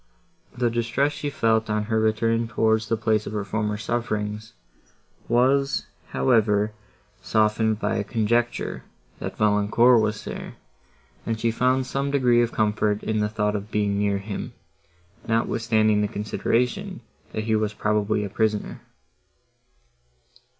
The distress she felt, on her return towards the place of her former sufferings, was, however, softened by a conjecture, that Valancourt was there, and she found some degree of comfort in the thought of being near him, notwithstanding the consideration, that he was probably a prisoner.